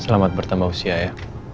selamat bertambah usia ya